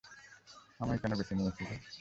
আমায় কেন বেছে নিয়েছিলে?